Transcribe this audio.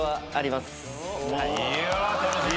いや楽しみ。